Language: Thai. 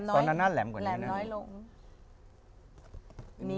ตอนนั้นน่าแหลมกว่านี้รึไงน้ำไปแหลมน้อยลง